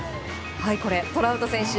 これ、トラウト選手。